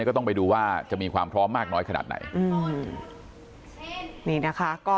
ก็ต้องไปดูว่าจะมีความพร้อมมากน้อยขนาดไหนอืมนี่นะคะก็